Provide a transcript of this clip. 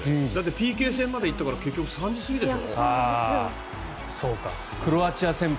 ＰＫ戦まで行ったから結局、３時過ぎでしょ？